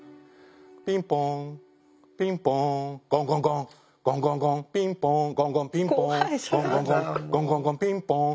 ピンポーンピンポーンゴンゴンゴンゴンゴンゴンピンポーンゴンゴンピンポーンゴンゴンゴンゴンゴンゴンピンポーン。